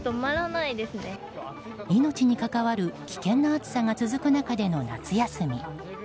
命にかかわる危険な暑さが続く中での夏休み。